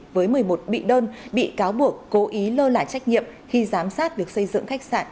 với một mươi một bị đơn bị cáo buộc cố ý lơ là trách nhiệm khi giám sát việc xây dựng khách sạn